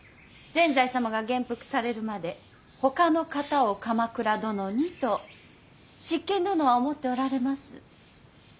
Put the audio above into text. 善哉様が元服されるまでほかの方を鎌倉殿にと執権殿は思っておられます。